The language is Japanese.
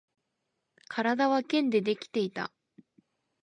体は剣でできていた